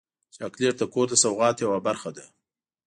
چاکلېټ د کور د سوغات یوه برخه ده.